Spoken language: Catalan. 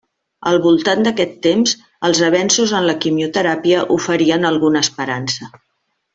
Al voltant d'aquest temps, els avenços en la quimioteràpia oferien alguna esperança.